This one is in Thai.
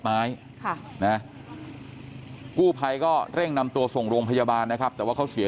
ไม้ค่ะนะกู้ภัยก็เร่งนำตัวส่งโรงพยาบาลนะครับแต่ว่าเขาเสีย